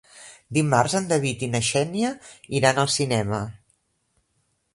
Dimarts en David i na Xènia iran al cinema.